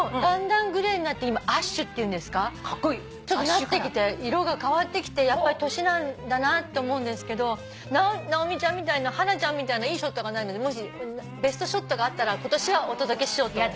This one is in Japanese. ちょっとなってきて色が変わってきてやっぱり年なんだなって思うんですけど直美ちゃんみたいなハナちゃんみたいないいショットがないのでベストショットがあったら今年はお届けしようと。